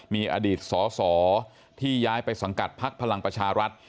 มีอดีตสอสอที่ย้ายไปสังกัดพักพลังประชารัฐ